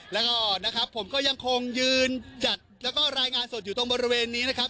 แล้วก็นะครับผมก็ยังคงยืนจัดแล้วก็รายงานสดอยู่ตรงบริเวณนี้นะครับ